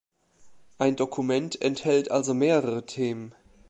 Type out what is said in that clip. Ein Dokument enthält also mehrere Themen.